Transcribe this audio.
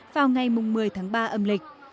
vào ngày một mươi tháng ba âm lịch